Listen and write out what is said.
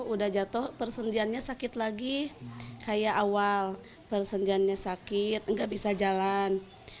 udah jatuh persendiannya sakit lagi kayak awal persendiannya sakit nggak bisa jalan